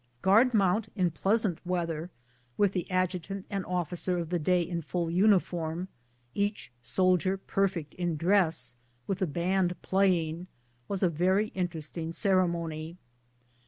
Guard mount in pleasant weather, with the adjutant and officer of the day in full uniform, each soldier per fect in dress, with the band playing, was a very interest ing ceremony.